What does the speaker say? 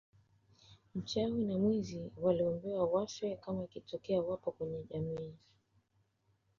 Mchawi na mwizi waliombewa wafe kama ikitokea wapo kwenye jamii